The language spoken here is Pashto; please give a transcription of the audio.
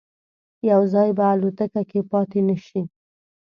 یو ځای به الوتکه کې پاتې نه شي.